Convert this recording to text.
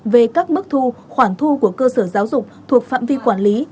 về các mức thu khoản thu của cơ sở giáo dục thuộc phạm vi quản lý